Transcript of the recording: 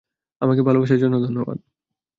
আমাকে ভালোবাসার জন্য ধন্যবাদ।